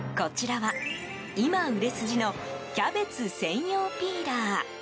こちらは、今売れ筋のキャベツ専用ピーラー。